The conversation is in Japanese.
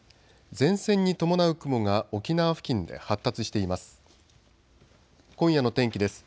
前線に伴う雲が沖縄付近で発達しています。